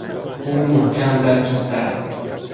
او محکم زد تو سرم.